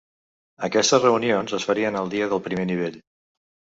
Aquestes reunions es farien el dia del primer nivell.